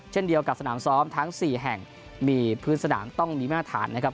เช่นเดียวกับสนามซ้อมทั้ง๔แห่งมีพื้นสนามต้องมีมาตรฐานนะครับ